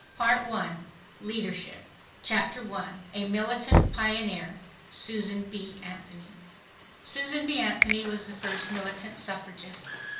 Part I Leadership Chapter 1 A Militant Pioneer—Susan B. Anthony Susan B. Anthony was the first militant suffragist.